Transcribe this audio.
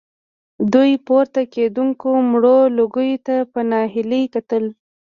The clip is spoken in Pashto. دوی پورته کېدونکو مړو لوګيو ته په ناهيلۍ کتل.